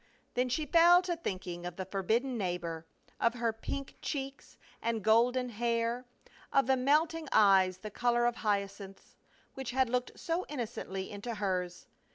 Then she fell to think ing of the forbidden neighbor, of her pink cheeks and golden hair, of the melting eyes the color of hyacinths, which had looked so innocently into hers.